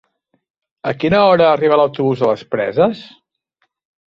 A quina hora arriba l'autobús de les Preses?